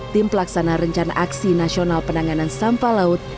tim pelaksana rencana aksi nasional penanganan sampah laut